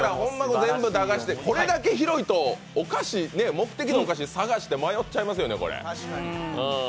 全部駄菓子で、これだけ広いと目的のお菓子、探して迷っちゃいますよね。